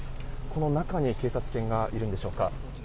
この中に警察犬がいるんでしょうか。